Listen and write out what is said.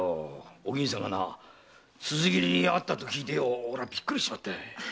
お吟さんが辻斬りに遭ったと聞いてびっくりしちまったよ。